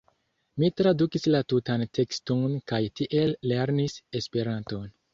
Mi tradukis la tutan tekston kaj tiel lernis Esperanton.